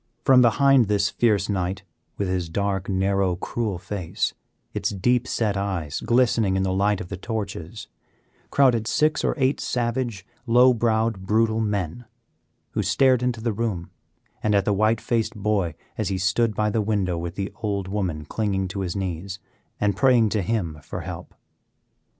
From behind this fierce knight, with his dark, narrow, cruel face, its deep set eyes glistening in the light of the torches, crowded six or eight savage, low browed, brutal men, who stared into the room and at the white faced boy as he stood by the window with the old woman clinging to his knees and praying to him for help.